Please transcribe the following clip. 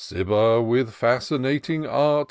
Gibber, with fascinating art.